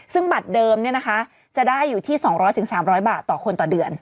ซึ่งบัตรเดิมจะได้อยู่ที่๒๐๐๓๐๐บาทต่อคนต่อเดือน